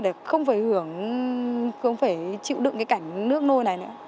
để không phải hưởng không phải chịu đựng cái cảnh nước nôi này nữa